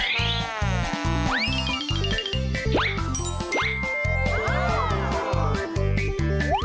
ว้าว